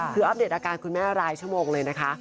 คืออัปเดตอาการคุณแม่รายชั่วโมงเลยนะคะ